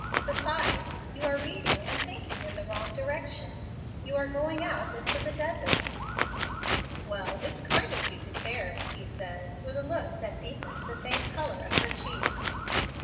Besides, you are reading and thinking in the wrong direction. You are going out into the desert." "Well, it's kind of you to care," he said, with a look that deepened the faint color of her cheeks.